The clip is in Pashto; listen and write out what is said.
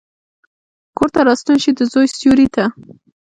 کورته راستون شي، دزوی سیورې ته،